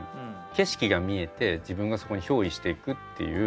景色が見えて自分がそこにひょう依していくっていう。